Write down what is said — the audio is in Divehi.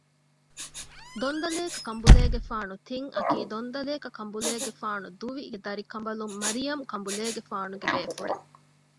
ދޮން ދަލޭކަ ކަނބުލޭގެފާނު ތިން އަކީ ދޮން ދަލޭކަ ކަނބުލޭގެފާނު ދުވި ގެ ދަރިކަނބަލުން މަރިޔަމް ކަނބުލޭގެފާނުގެ ބޭފުޅެއް